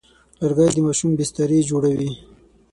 لرګی د ماشومانو بسترې جوړوي.